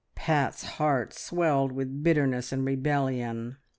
Pat's heart swelled with bitterness and rebellion.